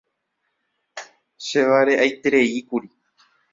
Che vare'aitereíkuri.